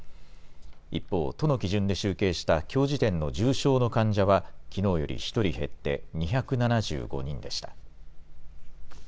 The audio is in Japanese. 一方、都の基準で集計したきょう時点の重症の患者は、きのうより１人減って２７５人でした。